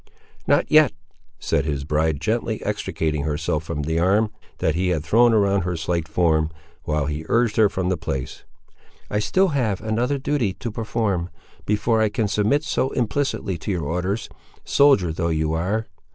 "Not yet," said his bride, gently extricating herself from the arm, that he had thrown around her slight form, while he urged her from the place. "I have still another duty to perform, before I can submit so implicitly to your orders, soldier though you are.